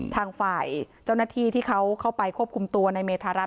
ทางฝ่ายเจ้าหน้าที่ที่เขาเข้าไปควบคุมตัวในเมธารัฐ